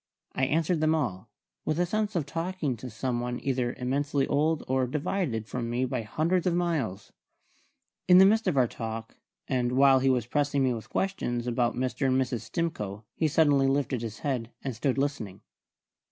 I answered them all, with a sense of talking to some one either immensely old or divided from me by hundreds of miles. In the midst of our talk, and while he was pressing me with questions about Mr. and Mrs. Stimcoe, he suddenly lifted his head, and stood listening.